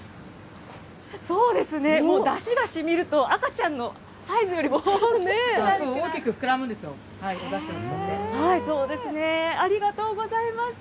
そうですね、もうだしがしみると、赤ちゃんのサイズよりも。大きく膨らむんですよ、おだしで。